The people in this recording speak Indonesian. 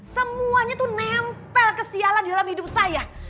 semuanya tuh nempel kesialan di dalam hidup saya